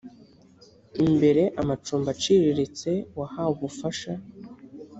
imbere amacumbi aciriritse wahawe ubufasha